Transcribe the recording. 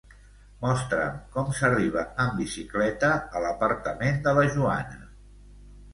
Mostra'm com s'arriba en bicicleta a l'apartament de la Joana.